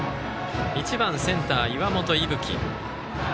１番、センター岩本聖冬生。